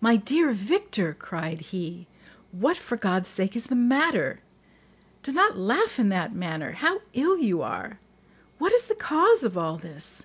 "My dear Victor," cried he, "what, for God's sake, is the matter? Do not laugh in that manner. How ill you are! What is the cause of all this?"